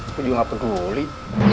aku juga ga peduli